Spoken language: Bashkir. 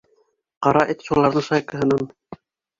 Ҡара Эт шуларҙың шайкаһынан.